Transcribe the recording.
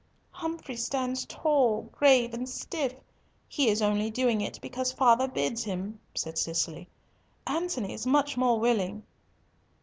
"Humfrey stands tall, grave, and stiff! He is only doing it because father bids him," said Cicely. "Antony is much more willing."